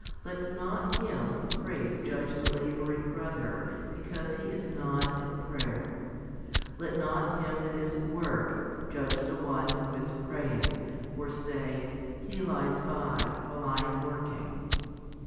Let not him who prays judge the labouring brother because he is not at prayer. Let not him that is at work judge the one who is praying, or say, " He lies by, while I am working."